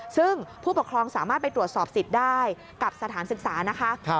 ซึ่งผู้ปกครองสามารถไปตรวจสอบสิทธิ์ได้กับสถานศึกษานะคะ